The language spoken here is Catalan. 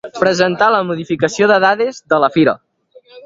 Presentar la modificació de dades de la fira.